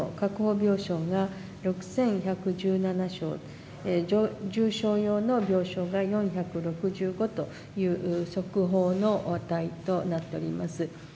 病床が６１１７床、重症用の病床が４６５という速報の値となっております。